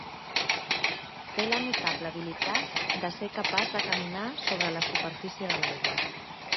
Té la notable habilitat de ser capaç de caminar sobre la superfície de l'aigua.